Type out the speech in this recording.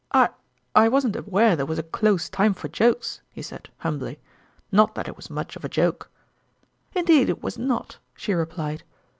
" I I wasn't aware there was a close time for jokes," he said, humbly ;" not that it was much of a joke !"" Indeed it was not," she replied.